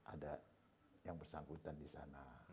ada yang bersangkutan di sana